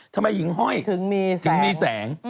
ทำไมหิงห้อยถึงมีแสงที่มีแสง